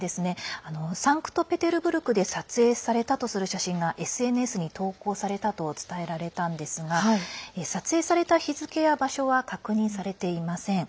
サンクトペテルブルクで撮影されたとする写真がＳＮＳに投稿されたと伝えられたんですが撮影された日付や場所は確認されていません。